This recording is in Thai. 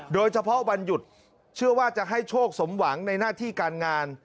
โดยเฉพาะวันหยุดเชื่อว่าจะให้โชคสมหวังในหน้าที่การงาน